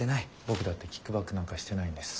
僕だってキックバックなんかしてないんです。